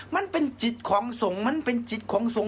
มันเป็นจิตของทรงมันเป็นจิตของทรง